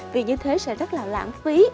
vì như thế sẽ rất là lãng phí